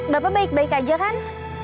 bapak baik baik aja kan